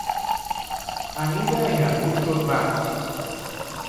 Anida en arbustos bajos.